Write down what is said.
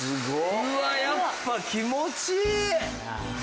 うわっやっぱ気持ちいい！